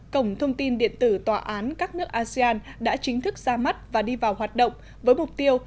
cổng thông tin điện tử tòa án các nước asean đã chính thức ra mắt và đi vào hoạt động với mục tiêu